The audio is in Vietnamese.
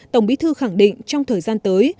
tổng bí thư khẳng định trong thời gian tới